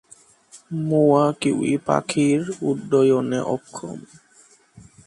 মোয়া কিউই পাখির উড্ডয়নে অক্ষম।